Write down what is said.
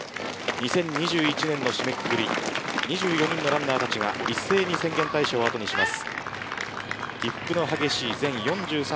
２０２１年の締めくくり２４人のランナーたちが一斉に浅間大社を後にします。